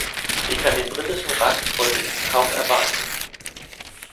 Ich kann den britischen Ratsvorsitz kaum erwarten!